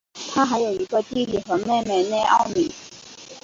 他还有一个弟弟和妹妹内奥米。